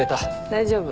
大丈夫。